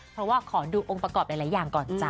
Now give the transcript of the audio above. เพราะว่าขอดูองค์ประกอบหลายอย่างก่อนจ้ะ